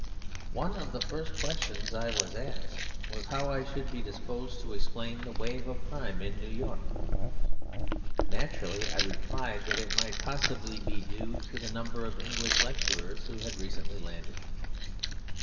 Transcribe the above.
One of the first questions I was asked was how I should be disposed to explain the wave of crime in New York. Naturally I replied that it might possibly be due to the number of English lecturers who had recently landed.